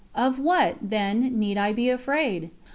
Of what, then, need I be afraid?